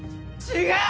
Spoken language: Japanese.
違う！